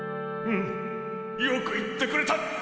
うんよく言ってくれた！